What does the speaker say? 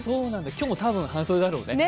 今日も多分、半袖だろうね。